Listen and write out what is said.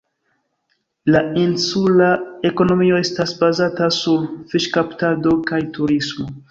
La insula ekonomio estas bazata sur fiŝkaptado kaj turismo.